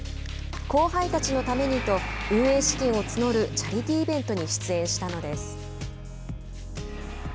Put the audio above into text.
後輩たちのためにと運営資金を募るチャリティーイベントに出演したのです。